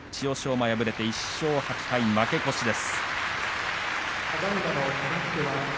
馬は敗れて１勝８敗負け越しです。